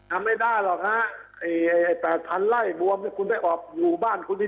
ทำไม่ได้หรอกนะไอ้๘๐๐๐ไล่บวมของคุณได้ออกอยู่บ้านคุณดี